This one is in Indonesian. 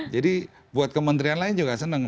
jadi buat kementerian lain juga senang